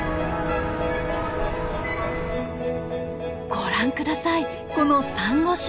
ご覧下さいこの珊瑚礁。